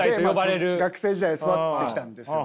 で学生時代育ってきたんですよ。